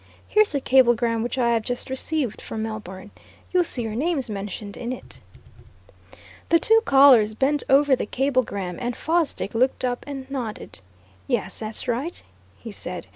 Here's a cablegram which I have just received from Melbourne you'll see your names mentioned in it." The two callers bent over the cablegram, and Fosdick looked up and nodded. "Yes, that's right," he said.